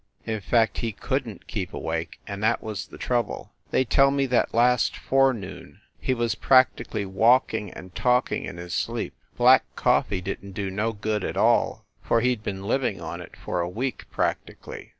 In fact, he couldn t keep awake, and that was the trouble. They tell me that last forenoon he was practically walk 78 FIND THE WOMAN ing and talking in his sleep. Black coffee didn t do no good at all, for he d been living on it for a week, practically.